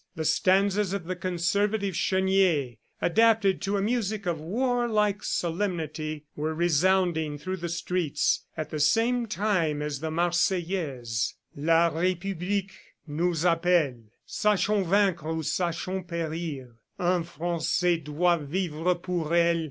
The stanzas of the conservative Chenier, adapted to a music of warlike solemnity, were resounding through the streets, at the same time as the Marseillaise: La Republique nous appelle. Sachons vaincre ou sachons perir; Un francais doit vivre pour elle.